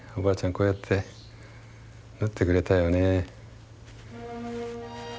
こうやって縫ってくれたよね。